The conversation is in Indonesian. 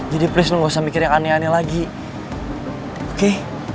jadi please lo gak usah mikir yang aneh aneh lagi oke